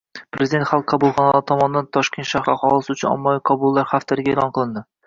Prezident Xalq qabulxonalari tomonidan Toshkent shahri aholisi uchun ommaviy qabullar haftaligi e’lon qilindi